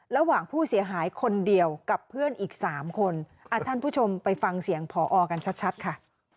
ระหว่างผู้เสียหายคนเดียวกับเพื่อนอีกสามคนท่านผู้ชมไปฟังเสียงพอกันชัดค่ะ